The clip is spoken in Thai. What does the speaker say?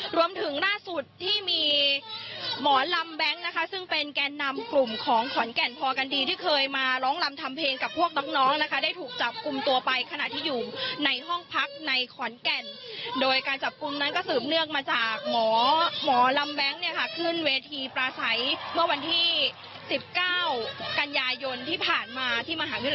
รวมถึงล่าสุดที่มีหมอลำแบงค์นะคะซึ่งเป็นแกนนำกลุ่มของขอนแก่นพอกันดีที่เคยมาร้องลำทำเพลงกับพวกน้องนะคะได้ถูกจับกลุ่มตัวไปขณะที่อยู่ในห้องพักในขอนแก่นโดยการจับกลุ่มนั้นก็สืบเนื่องมาจากหมอหมอลำแบงค์เนี่ยค่ะขึ้นเวทีปลาใสเมื่อวันที่๑๙กันยายนที่ผ่านมาที่มหาวิทยา